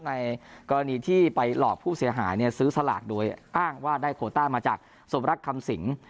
ในกรณีที่ไปหลอกผู้เสียหายซื้อสลากโดยอ้างว่าได้โคต้ามาจากสมรักคำสิง